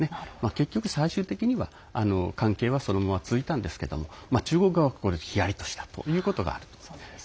結局、最終的には関係はそのまま続いたんですけれども中国側は、ここでひやりとしたということがあります。